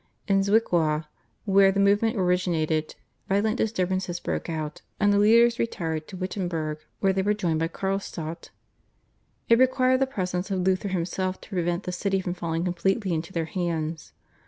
In Zwickau, where the movement originated, violent disturbances broke out, and the leaders retired to Wittenberg where they were joined by Carlstadt. It required the presence of Luther himself to prevent the city from falling completely into their hands.